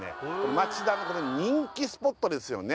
町田のこの人気スポットですよね